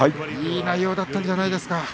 いい内容だったんじゃないですか。